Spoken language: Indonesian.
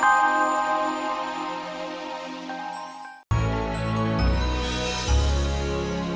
angah yg terbaik